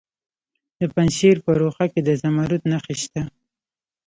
د پنجشیر په روخه کې د زمرد نښې شته.